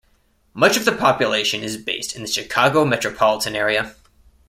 Much of the population is based in the Chicago Metropolitan Area.